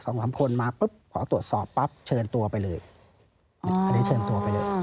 สามคนมาปุ๊บขอตรวจสอบปั๊บเชิญตัวไปเลยอันนี้เชิญตัวไปเลย